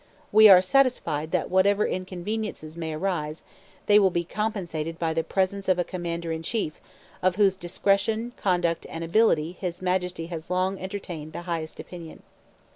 We are satisfied that whatever inconveniences may arise they will be compensated by the presence of a commander in chief of whose discretion, conduct, and ability His Majesty has long entertained the highest opinion.'